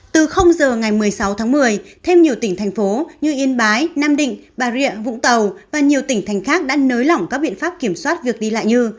từ giờ ngày một mươi sáu tháng một mươi thêm nhiều tỉnh thành phố như yên bái nam định bà rịa vũng tàu và nhiều tỉnh thành khác đã nới lỏng các biện pháp kiểm soát việc đi lại như